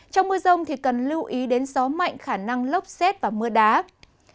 trong mưa rông cần lưu ý đến gió mạnh khả năng lốc xét và mưa đá